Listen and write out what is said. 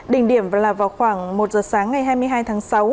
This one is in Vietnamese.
đỉnh điểm là vào khoảng một giờ sáng ngày hai mươi hai tháng sáu